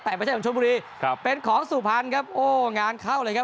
แต่ไม่ใช่ชมบุรีเป็นของสุภัณฑ์ครับโอ้งานเข้าเลยครับ